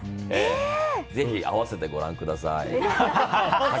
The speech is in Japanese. ぜひ併せてご覧ください。